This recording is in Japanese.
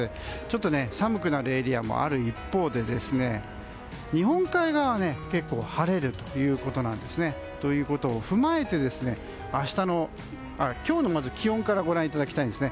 寒くなるエリアもある一方で日本海側は結構晴れるということです。ということを踏まえて今日の気温からご覧いただきたいです。